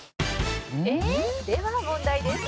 「では問題です」